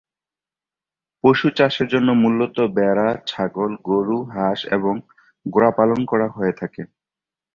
পশু চাষের জন্য মূলত ভেড়া, ছাগল, গরু, হাঁস এবং ঘোড়া পালন করা হয়ে থাকে।